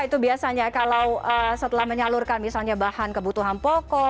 itu biasanya kalau setelah menyalurkan misalnya bahan kebutuhan pokok